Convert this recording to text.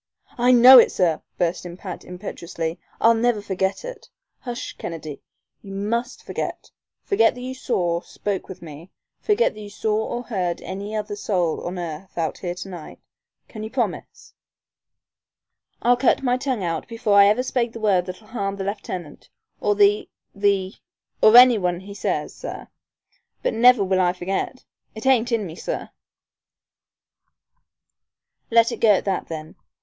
"I know it, sir," burst in Pat, impetuously. "I'll never forget it " "Hush, Kennedy, you must forget forget that you saw spoke with me forget that you saw or heard any other soul on earth out here to night. Can you promise?" "I'll cut my tongue out before I ever spake the word that'll harm the lieutenant, or the the or any one he says, sir. But never will I forget! It ain't in me, sir." "Let it go at that then.